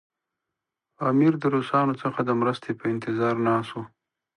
امیر د روسانو څخه د مرستې په انتظار ناست وو.